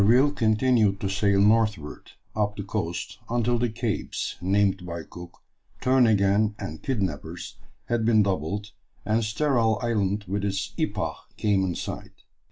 ] D'Urville continued to sail northward up the coast until the capes, named by Cook Turn again and Kidnappers, had been doubled, and Sterile Island with its "Ipah" came in sight.